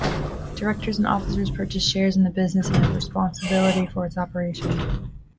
Directors and officers purchase shares in the business and have responsibility for its operation.